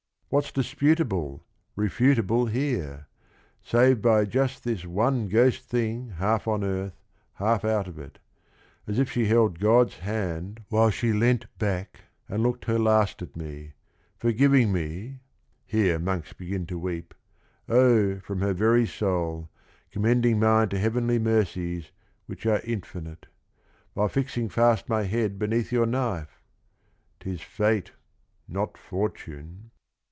"What 's disputable, refutable here? — Save by just this one ghost thing half on earth, Half out of it, — as if she held God's hand While she leant back and looked her last at me, Forgiving me (here monks begin to weep) Oh, from her very soul, commending mine To heavenly mercies which are infinite, — While fixing fast my head beneath your knife I 'T is fate not fortune."